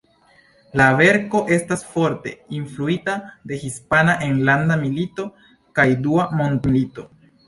La verko estas forte influita de Hispana enlanda milito kaj Dua mondmilito.